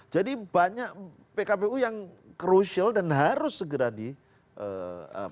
jadi banyak pkpu yang crucial dan harus segera disahkan